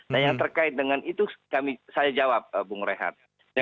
nah yang terkait dengan itu saya jawab bung rehat